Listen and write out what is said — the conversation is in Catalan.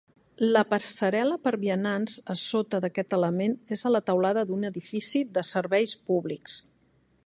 La passarel·la per a vianants a sota d'aquest element és a la teulada d'un edifici de serveis públics.